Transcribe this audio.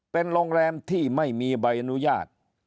เป็นโรงแรมที่ไม่มีใบอนุญาต